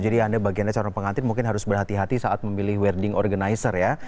jadi bagi anda calon pengantin mungkin harus berhati hati saat memilih wedding organizer ya